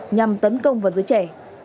nhằm tấn công vào giới trẻ